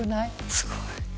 すごい。